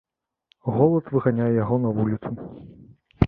Голад выганяе яго на вуліцу.